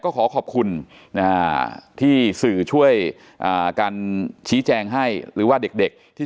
ก็ขอขอบคุณที่สื่อช่วยกันชี้แจงให้หรือว่าเด็กที่